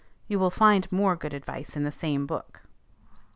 You will find more good advice in the same book.